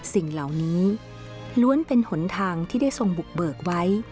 สิ่งเหล่านี้ล้วนเป็นหนทางที่ได้ทรงบุกเบิกไว้